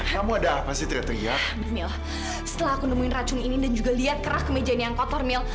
kamu ada apa sih teriak setelah aku nemuin racun ini dan juga lihat kerah kemejaan yang kotor mil